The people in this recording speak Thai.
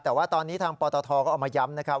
แต่ว่าตอนนี้ทางปตทก็ออกมาย้ำนะครับ